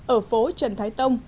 ở phố trần thái tông